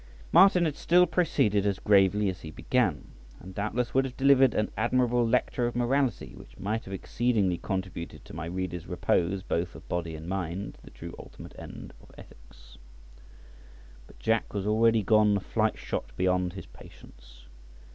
Martin had still proceeded as gravely as he began, and doubtless would have delivered an admirable lecture of morality, which might have exceedingly contributed to my reader's repose both of body and mind (the true ultimate end of ethics), but Jack was already gone a flight shot beyond his patience.